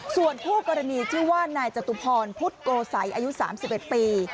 ส่วนคู่กรณีชื่อว่านายจตุพรพุทธโกสัยอายุ๓๑ปี